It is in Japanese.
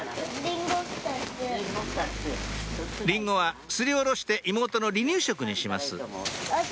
リンゴはすりおろして妹の離乳食にします